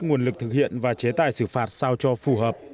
nguồn lực thực hiện và chế tài xử phạt sao cho phù hợp